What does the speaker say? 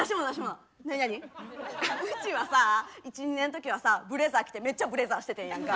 うちはさ１２年の時はさブレザー着てめっちゃブレザーしててんやんか。